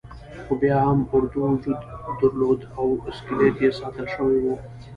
خو بیا هم اردو وجود درلود او اسکلیت یې ساتل شوی وو.